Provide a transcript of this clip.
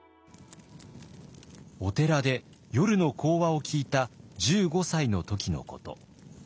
お寺で夜の講話を聞いた１５歳の時のこと。